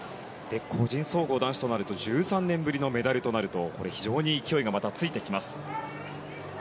個人総合男子となると１３年ぶりのメダルとなると非常に勢いがまたついてきます。